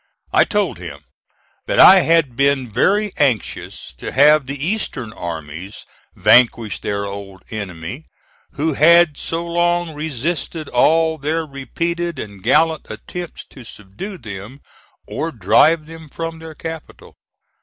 I told him that I had been very anxious to have the Eastern armies vanquish their old enemy who had so long resisted all their repeated and gallant attempts to subdue them or drive them from their capital.